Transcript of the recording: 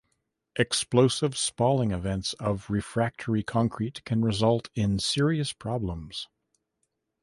Explosive spalling events of refractory concrete can result in serious problems.